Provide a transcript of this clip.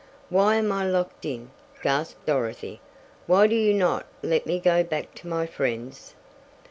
"Why am I locked in?" gasped Dorothy. "Why do you not let me go back to my friends?"